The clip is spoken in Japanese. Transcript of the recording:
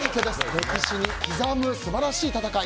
歴史に刻む素晴らしい戦い。